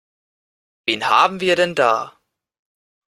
Wen haben wir denn da?